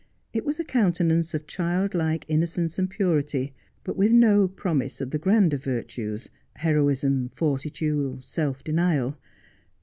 It was a countenance of childlike innocence and purity, but with no promise of the grander virtues — heroism, fortitude, self denial.